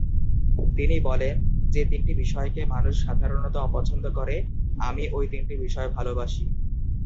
তিনি বলেন, ‘যে তিনটি বিষয়কে মানুষ সাধারণত অপছন্দ করে, আমি ওই তিনটি বিষয় ভালোবাসি।